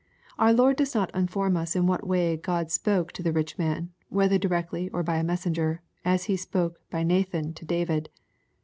'\ Oor Lord does not inform us in what way God spoke to the rich man ; whether directly or by « messenger, as He spake by Nathan to David.